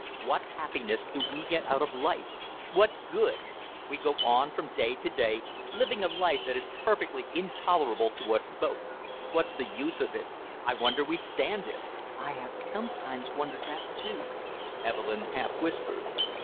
"What happiness do we get out of life, what good? We go on from day to day living a life that is perfectly intolerable to us both; what's the use of it I wonder we stand it!" "I have sometimes wondered that, too," Evelyn half whispered.